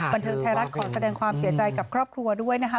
บันเทิงไทยรัฐขอแสดงความเสียใจกับครอบครัวด้วยนะคะ